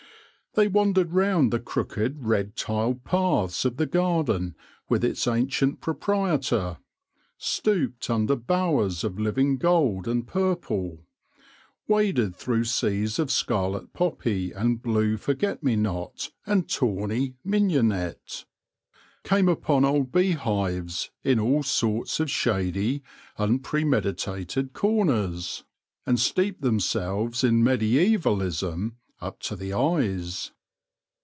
They wandered round the crooked, red tiled paths of the garden with its ancient proprietor ; stooped under bowers of living gold and purple ; waded through seas of scarlet poppy and blue forget me not and tawny mignonette ; came upon old beehives in all sorts of shady, unpremedi tated corners ; and steeped themselves in mediaevalism 36 THE LORE OF THE HONEY BEE up to the eyes.